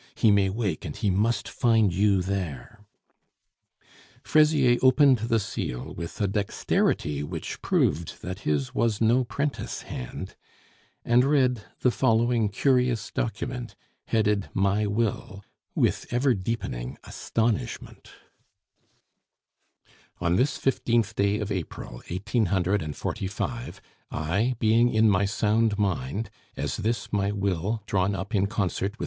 "He may wake, and he must find you there." Fraisier opened the seal with a dexterity which proved that his was no 'prentice hand, and read the following curious document, headed "My Will," with ever deepening astonishment: "On this fifteenth day of April, eighteen hundred and forty five, I, being in my sound mind (as this my Will, drawn up in concert with M.